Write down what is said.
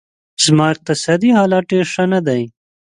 زما اقتصادي حالت ډېر ښه نه دی